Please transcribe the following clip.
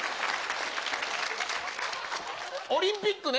オリンピックね。